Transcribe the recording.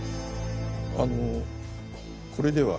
あのこれでは。